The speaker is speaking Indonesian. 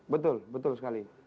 betul betul sekali